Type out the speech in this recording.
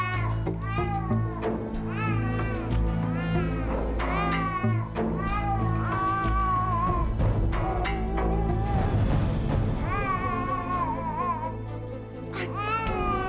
mas apis waktu lepas ini udah our